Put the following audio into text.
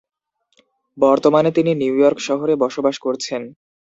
বর্তমানে তিনি New York শহরে বসবাস করছেন।